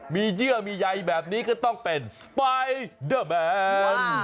มีเยื่อมีใยแบบนี้ก็ต้องเป็นสไปเดอร์แมน